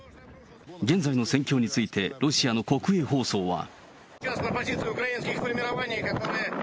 現在の戦況についてロシアの国営放送は。